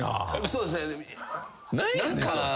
そうですね。